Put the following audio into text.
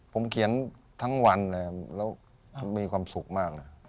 ผมเขียนทั้งวันเลยแล้วมีความสุขมากนะ